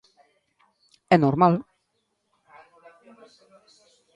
É normal.